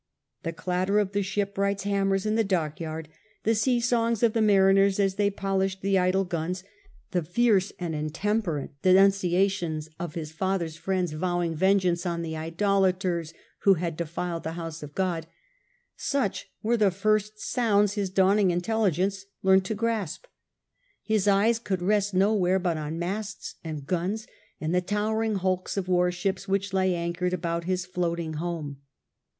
The clatter of the ship wrights' hammers in the dockyard, the sea songs of the mariners as they polished the idle guns, the fierce and intemperate denunciations of his father's friends vowing vengeance on the '^ idolaters who had defiled the House of Gk)d," — such were the first sounds his dawning intelli gence learnt to grasp. His eyes could rest nowhere but on masts, and guns, and the towering hulks of the warships which lay anchored about his floating home.